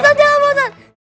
busan jangan busan